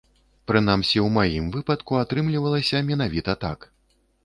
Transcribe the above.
Прынамсі, у маім выпадку атрымлівалася менавіта так.